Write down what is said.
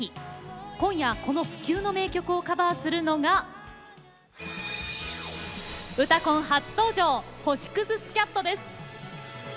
今夜、この不朽の名曲をカバーするのが「うたコン」初登場星屑スキャットです。